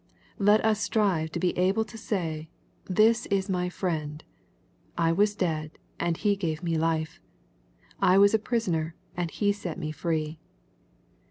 Let us strive to be able to say, " This is my Friend : I was dead, and He gave me life : I was a prisoner, and He set me free."